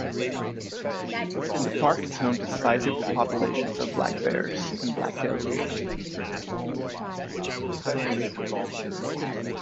The park is home to sizable populations of black bears and Black-tailed deer.